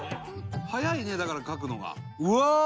速いねだから書くのが」